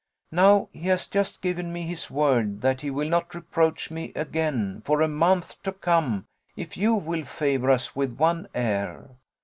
Now he has just given me his word that he will not reproach me again for a month to come if you will favour us with one air.